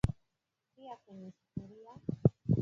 tia kwenye sufuria